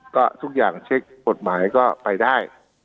ก็ทุกอย่างเช็คกฎหมายก็ไปได้